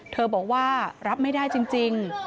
เธอบอกว่ารับไม่ได้จริง